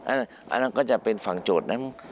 อันนั้นก็จะเป็นฝั่งโจทย์นั้น